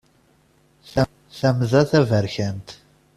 Tamda taberkant.